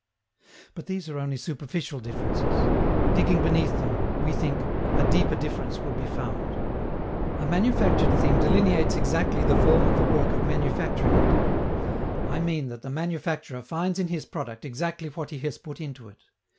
But these are only superficial differences. Digging beneath them, we think, a deeper difference would be found. A manufactured thing delineates exactly the form of the work of manufacturing it. I mean that the manufacturer finds in his product exactly what he has put into it.